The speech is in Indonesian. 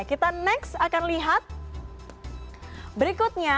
kita next akan lihat berikutnya